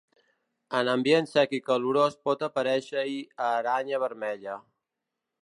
En ambient sec i calorós pot aparèixer-hi aranya vermella.